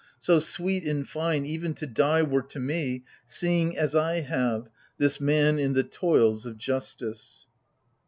So, sweet, in fine, even to die were to me, Seeing, as I have, this man i' the toils of justice